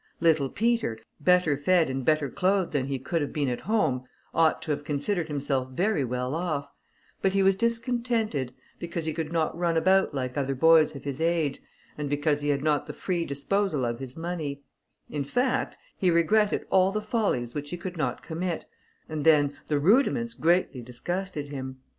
Little Peter, better fed and better clothed than he could have been at home, ought to have considered himself very well off; but he was discontented, because he could not run about like other boys of his age, and because he had not the free disposal of his money; in fact he regretted all the follies which he could not commit, and then the Rudiments greatly disgusted him.